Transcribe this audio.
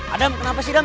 adam kenapa sih adam